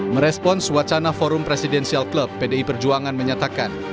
merespons wacana forum presiden sial club pdi perjuangan menyatakan